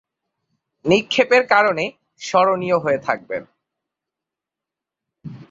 নিক্ষেপের কারণে স্মরণীয় হয়ে থাকবেন।